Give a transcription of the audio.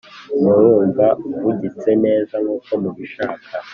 Murumva uvugitse neza nkuko mubishaka?